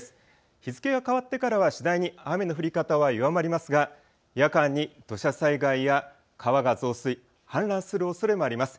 日付が変わってからは次第に雨の降り方は弱まりますが夜間に土砂災害や川が増水、氾濫するおそれもあります。